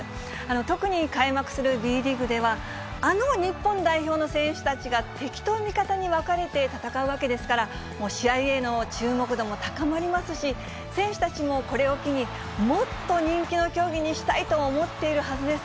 特に開幕するＢリーグでは、あの日本代表の選手たちが、敵と味方に分かれて戦うわけですから、試合への注目度も高まりますし、選手たちもこれを機に、もっと人気の競技にしたいと思ってるはずです。